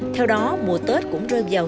theo đó mùa tết cũng rơi vào